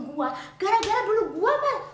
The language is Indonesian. mak mak mak udah mak